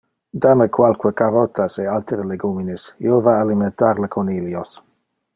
Da me qualque carotas e altere legumines, io va a alimentar le conilios.